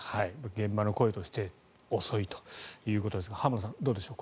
現場の声として遅いということですが浜田さん、どうでしょう。